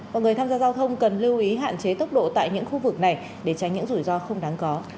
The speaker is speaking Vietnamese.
và người tham gia giao thông cần lưu ý hạn chế tốc độ tại những khu vực này để tránh những rủi ro không đáng có